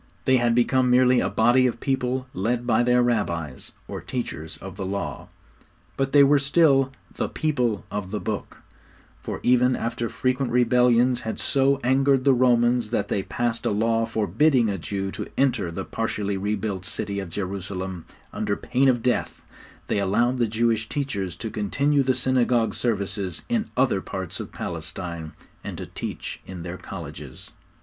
They had become merely a body of people led by their Rabbis, or teachers of the Law; but they were still 'the people of the Book,' for even after frequent rebellions had so angered the Romans that they passed a law forbidding a Jew to enter the partially re built city of Jerusalem under pain of death, they allowed the Jewish teachers to continue the synagogue services in other parts of Palestine, and to teach in their colleges.